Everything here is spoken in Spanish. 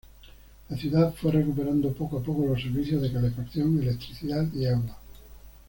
La ciudad fue recuperando poco a poco los servicios de calefacción, electricidad y agua.